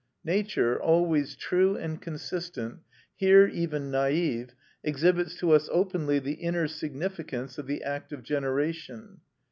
Nature, always true and consistent, here even naïve, exhibits to us openly the inner significance of the act of generation.